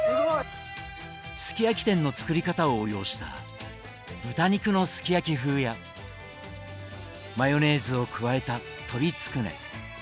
すき焼き店の作り方を応用した豚肉のすき焼き風やマヨネーズを加えた鶏つくね。